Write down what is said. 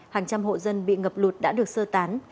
hàng trăm hộ dân bị ngập lụt đã được sơ tán